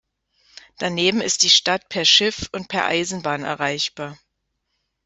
Daneben ist die Stadt per Schiff und per Eisenbahn erreichbar.